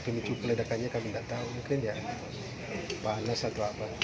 pemicu keledakannya kami nggak tahu mungkin ya panas atau apa